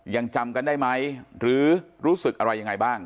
ยังจำกันได้ไหมหรือรู้สึกอะไรยังไงบ้าง